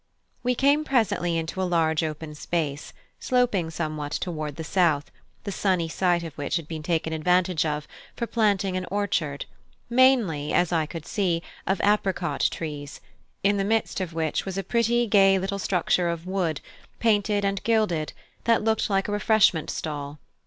We came presently into a large open space, sloping somewhat toward the south, the sunny site of which had been taken advantage of for planting an orchard, mainly, as I could see, of apricot trees, in the midst of which was a pretty gay little structure of wood, painted and gilded, that looked like a refreshment stall.